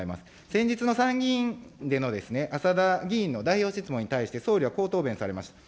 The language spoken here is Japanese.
先日の参議院でのあさだ議員の代表質問に対して、総理はこう答弁されました。